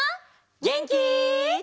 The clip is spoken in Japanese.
げんき？